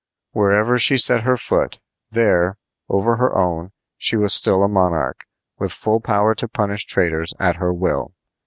Wherever she set her foot, there, over her own, she was still a monarch, with full power to punish traitors at her will.